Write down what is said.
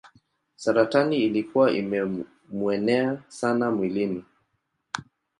Saratani ilikuwa imemuenea sana mwilini.